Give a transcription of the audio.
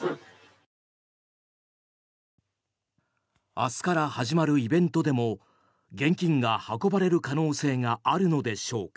明日から始まるイベントでも現金が運ばれる可能性があるのでしょうか。